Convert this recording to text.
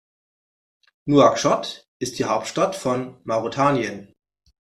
Nouakchott ist die Hauptstadt von Mauretanien.